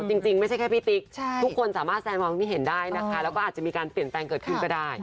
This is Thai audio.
จริงไม่ใช่แค่พี่ติ๊กทุกคนสามารถแซนมองที่เห็นได้นะคะแล้วก็อาจจะมีการเปลี่ยนแปลงเกิดขึ้นก็ได้